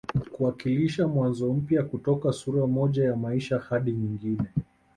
Kuwakilisha mwanzo mpya kutoka sura moja ya maisha hadi nyingine